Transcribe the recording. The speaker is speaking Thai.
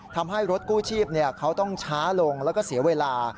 ทำให้รถกู้ชีพเขาต้องช้าลงแล้วก็เสียเวลา